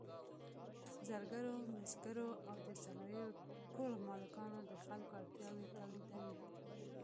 زرګرو، مسګرو او د صنایعو ټولو مالکانو د خلکو اړتیاوې تولیدولې.